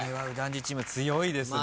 次チーム強いですね。